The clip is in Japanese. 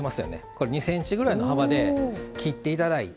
これ２ｃｍぐらいの幅で切っていただいて。